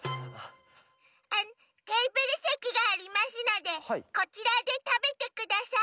テーブルせきがありますのでこちらでたべてください。